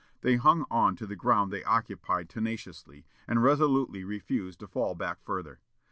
They hung on to the ground they occupied tenaciously, and resolutely refused to fall back further.